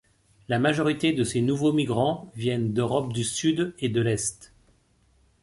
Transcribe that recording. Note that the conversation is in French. La majorité de ces nouveaux migrants viennent d'Europe du Sud et de l'est.